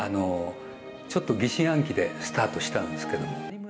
ちょっと疑心暗鬼でスタートしたんですけれども。